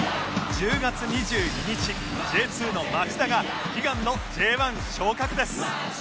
１０月２２日 Ｊ２ の町田が悲願の Ｊ１ 昇格です